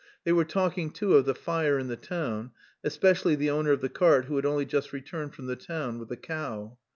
They were talking too of the fire in the town, especially the owner of the cart who had only just returned from the town with the cow.